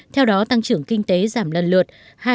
theo đó tăng trưởng kinh tế giảm lần lượt